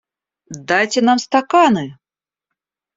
Дайте нам стаканы!